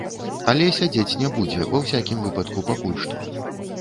Але сядзець не будзе, ва ўсякім выпадку, пакуль што.